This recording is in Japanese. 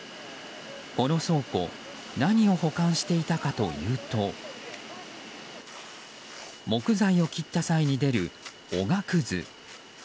この倉庫何を保管していたかというと木材を切った際に出るおがくず。